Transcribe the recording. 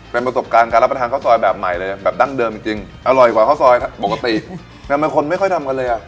เป็นประสบการณ์การรับประทานข้าวซอยแบบใหม่เลยแบบดั้งเดิมจริงจริงอร่อยกว่าข้าวซอยปกติทำไมคนไม่ค่อยทำกันเลยอ่ะ